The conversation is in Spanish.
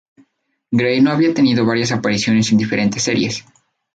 Gray ya había tenido varias apariciones en diferentes series.